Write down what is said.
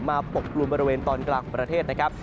ปกกลุ่มบริเวณตอนกลางของประเทศนะครับ